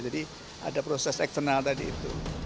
jadi ada proses eksternal tadi itu